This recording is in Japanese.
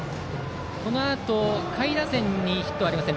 このあと、下位打線にヒットがありません。